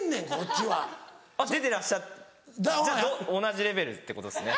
じゃあ同じレベルってことですね。